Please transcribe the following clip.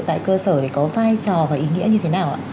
tại cơ sở để có vai trò và ý nghĩa như thế nào ạ